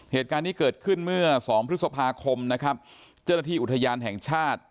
เหตุการณ์นี้เกิดขึ้นเมื่อสองพฤษภาคมนะครับเจ้าหน้าที่อุทยานแห่งชาติ